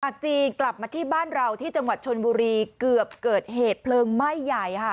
จีนกลับมาที่บ้านเราที่จังหวัดชนบุรีเกือบเกิดเหตุเพลิงไหม้ใหญ่ค่ะ